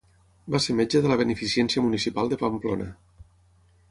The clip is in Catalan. Va ser metge de la Beneficència municipal de Pamplona.